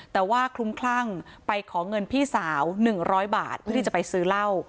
แต่ว่าคลุ้มคลั่งไปขอเงินพี่สาว๑๐๐บาทเพื่อที่จะไปซื้อเหล้า